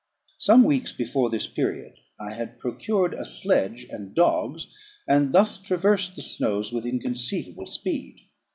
Some weeks before this period I had procured a sledge and dogs, and thus traversed the snows with inconceivable speed.